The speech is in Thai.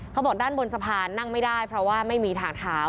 เขาบอกด้านบนสะพานนั่งไม่ได้เพราะว่าไม่มีทางเท้า